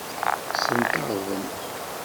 Kksent aɣbel.